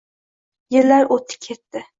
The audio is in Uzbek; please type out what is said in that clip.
Yillar o’tdi-ketdi